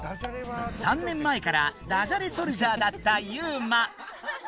３年前から「だじゃれソルジャー」だったユウマ！